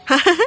aku ingin tahu